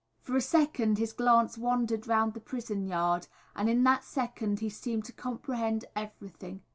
For a second his glance wandered round the prison yard, and in that second he seemed to comprehend everything.